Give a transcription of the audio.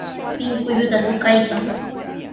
Pinkulluta tukaykan.